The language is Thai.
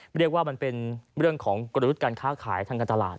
เรียกว่ามันเป็นเรื่องของกลยุทธ์การค้าขายทางการตลาด